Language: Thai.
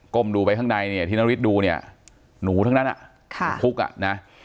กลมดูไปข้างในเนี่ยที่น้องฤทธิ์ดูเนี่ยหนูทั้งนั้นอ่ะค่ะหนูพุกอ่ะนะ